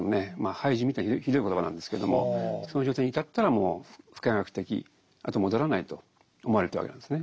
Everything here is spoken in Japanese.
廃人みたいにひどい言葉なんですけれどもその状態に至ったらもう不可逆的あとは戻らないと思われてたわけなんですね。